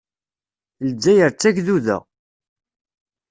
Lezzayer d tagduda.